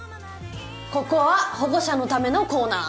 ここは保護者のためのコーナー。